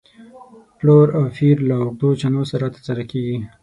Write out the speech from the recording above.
پلور او پېر له اوږدو چنو سره تر سره کېږي.